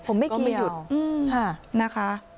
ผมไม่เกียร์อยู่นะคะ